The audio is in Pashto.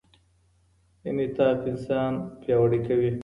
انعطاف انسان پیاوړی کوي.